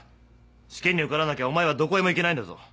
試験に受からなきゃお前はどこへも行けないんだぞ。